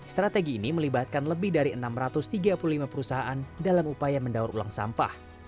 strategi ini melibatkan lebih dari enam ratus tiga puluh lima perusahaan dalam upaya mendaur ulang sampah